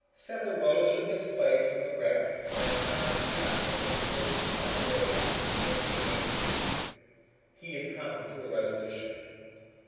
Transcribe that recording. Seth arose from his place on the grass and went silently past the men perched upon the railing and into Main Street. He had come to a resolution.